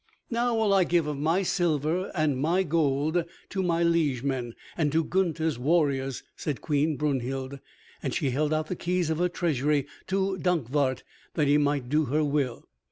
"Now will I give of my silver and my gold to my liegemen and to Gunther's warriors," said Queen Brunhild, and she held out the keys of her treasury to Dankwart that he might do her will.